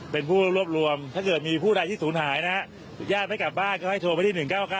เป็นผู้รวบรวมถ้าเกิดมีผู้ใดที่ศูนย์หายนะฮะญาติไม่กลับบ้านก็ให้โทรไปที่๑๙๙